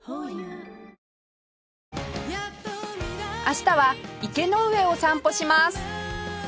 明日は池ノ上を散歩します